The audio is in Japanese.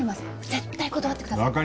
絶対断ってください。